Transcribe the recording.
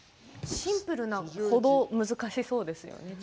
シンプルな程難しそうですよね。